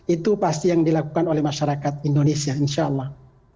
itu pasti yang dilakukan oleh masyarakat indonesia insya allah